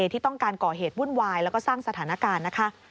ที่ต้องการก่อเหตุวุ่นวายแล้วก็สร้างสถานการณ์นะคะ